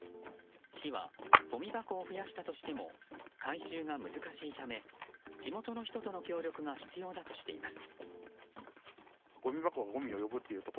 市はごみ箱を増やしたとしても回収が難しいため地元の人との協力が必要だとしています。